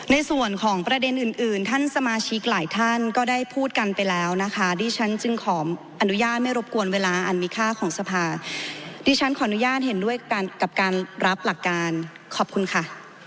ในส่วนของประเด็นอื่นอื่นท่านสมาชิกหลายท่านก็ได้พูดกันไปแล้วนะคะดิฉันจึงขออนุญาตไม่รบกวนเวลาอันมีค่าของสภาดิฉันขออนุญาตเห็นด้วยกันกับการรับหลักการขอบคุณค่ะ